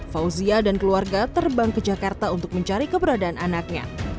fauzia dan keluarga terbang ke jakarta untuk mencari keberadaan anaknya